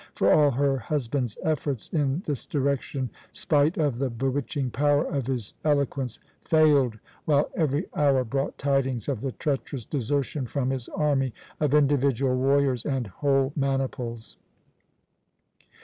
for all her husband's efforts in this direction, spite of the bewitching power of his eloquence, failed, while every hour brought tidings of the treacherous desertion from his army of individual warriors and whole maniples.